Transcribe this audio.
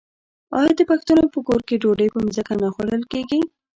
آیا د پښتنو په کور کې ډوډۍ په ځمکه نه خوړل کیږي؟